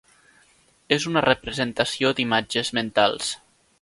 És una representació d'imatges mentals.